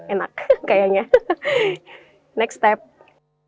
enak kayaknya next step hai air dari tirisan ikan dicampur dengan garam dan penyedap rasa kemudian